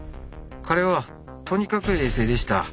彼はとにかく冷静でした。